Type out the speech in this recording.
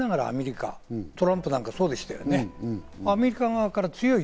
当然ながらアメリカ、トランプなんかそうでしたね。